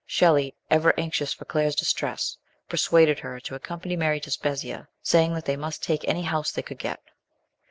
Shelley, ever anxious for Claire's distress, persuaded her to accompany Mary to Spezzia, saying they must take any house they could get.